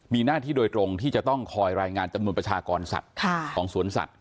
มีหน้าที่โดยตรงที่จะต้องคอยรายงานจำนวนประชากรสัตว์ของสวนสัตว